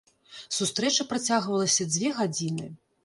Сустрэча працягвалася дзве гадзіны.